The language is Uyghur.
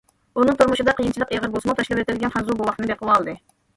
ئۇنىڭ تۇرمۇشىدا قىيىنچىلىق ئېغىر بولسىمۇ، تاشلىۋېتىلگەن خەنزۇ بوۋاقنى بېقىۋالدى.